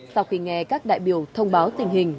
sau khi nghe các đại biểu thông báo tình hình